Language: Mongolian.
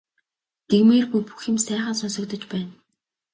Итгэмээргүй бүх юм сайхан сонсогдож байна.